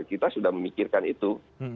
kita sudah memikirkan itu